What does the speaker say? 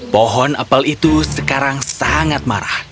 pohon apel itu sekarang sangat marah